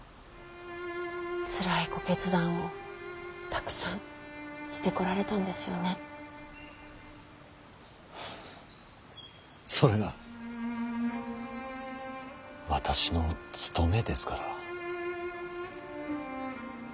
つらいご決断をたくさんしてこられたんですよね。それが私の務めですから。